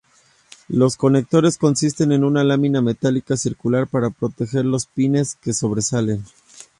Los conectores consisten en una lámina metálica circular para proteger los pines que sobresalen.